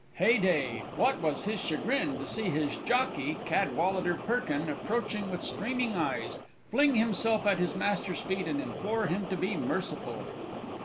Heyday! What was his chagrin to see his jockey, Cadwallader Perkin, approach with streaming eyes, fling himself at his master's feet and implore him to be merciful!